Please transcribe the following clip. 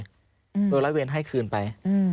ตัวลอตเตอรี่วันให้คืนไป